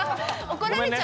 怒られちゃう。